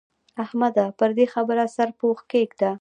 احمده! پر دې خبره سرپوښ کېږده.